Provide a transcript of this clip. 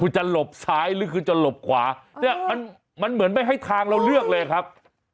คุณจะหลบซ้ายหรือคุณจะหลบขวาเนี่ยมันเหมือนไม่ให้ทางเราเลือกเลยครับ